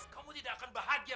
kamu tidak akan bahagia